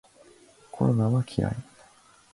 コロナは嫌い